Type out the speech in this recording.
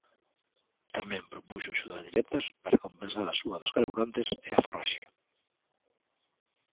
Tamén propuxo axudas directas para compensar a suba dos carburantes e a forraxe.